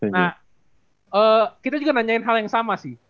nah kita juga nanyain hal yang sama sih